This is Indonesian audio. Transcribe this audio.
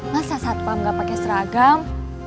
masa satpam gak pakai seragam